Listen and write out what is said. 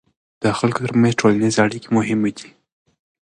د خلکو ترمنځ ټولنیزې اړیکې مهمې دي.